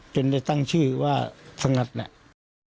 ได้ตั้งชื่อว่าสงัดเนี่ย